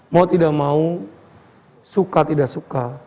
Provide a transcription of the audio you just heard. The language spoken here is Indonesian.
mau tidak mau suka tidak suka